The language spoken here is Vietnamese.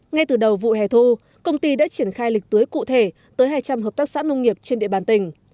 ngay từ đầu vụ hè thu công ty đã triển khai lịch tưới cụ thể tới hai trăm linh hợp tác xã nông nghiệp trên địa bàn tỉnh